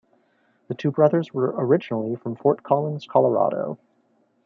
The two brothers were originally from Fort Collins, Colorado.